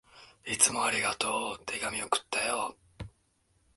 いつもありがとう。手紙、送ったよ。